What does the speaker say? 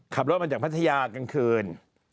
ขับรถมาจากพัทยากลางคืน